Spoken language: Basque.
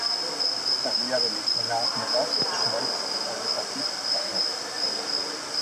Herriaren izena beraz zuhaitz honetatik dator.